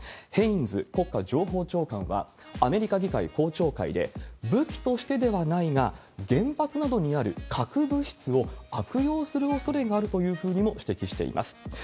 ヘインズ国家情報長官は、アメリカ議会公聴会で、武器としてではないが、原発などにある核物質を悪用するおそれがあるというふうにも指摘しています。